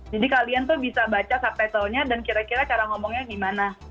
jadi kalian tuh bisa baca subtitlenya dan kira kira cara ngomongnya gimana